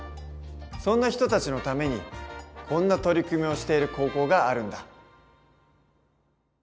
そんな人たちのためにこんな取り組みをしている高校があるんだ。